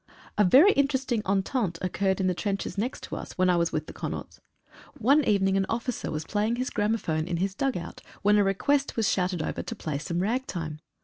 A very interesting entente occurred in the trenches next to us when I was with the Connaughts. One evening an officer was playing his gramophone in his dug out, when a request was shouted over to play some ragtime.